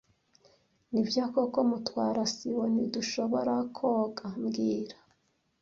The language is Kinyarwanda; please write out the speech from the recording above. Nibyo koko Mutwara sibo ntdushoborakoga mbwira